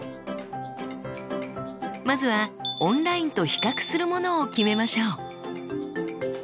まずはオンラインと比較するものを決めましょう。